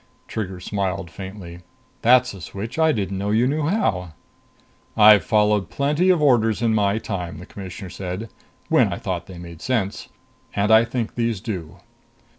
Trigger smiled faintly. "That's a switch! I didn't know you knew how." "I've followed plenty of orders in my time," the Commissioner said, "when I thought they made sense. And I think these do."